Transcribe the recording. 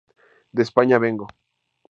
De España vengo.